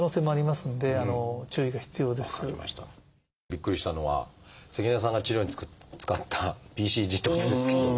びっくりしたのは関根さんが治療に使ったＢＣＧってことですけど。